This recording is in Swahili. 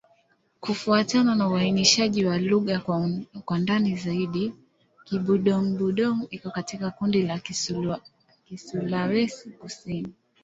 Kufuatana na uainishaji wa lugha kwa ndani zaidi, Kibudong-Budong iko katika kundi la Kisulawesi-Kusini.